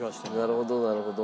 なるほどなるほど。